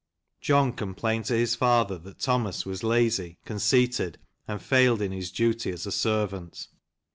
John com plained to his father that Thomas was lazy, conceited, and failed in his duty as a servant.